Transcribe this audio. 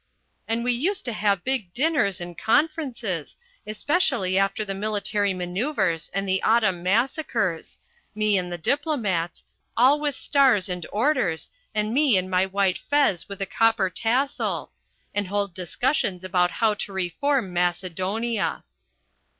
And we used to have big dinners and conferences, especially after the military manoeuvres and the autumn massacres me and the diplomats, all with stars and orders, and me in my white fez with a copper tassel and hold discussions about how to reform Macedonia."